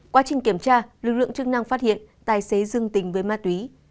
quá trình kiểm tra lực lượng chức năng phát hiện tài xế dưng tình với ma túy